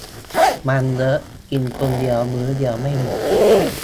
มันเยอะกินคนเดียวมื้อเดียวไม่หมด